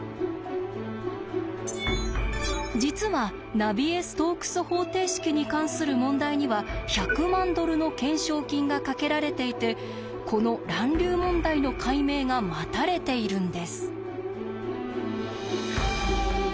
実はナビエ・ストークス方程式に関する問題には１００万ドルの懸賞金がかけられていてこの乱流問題の解明が待たれているんです。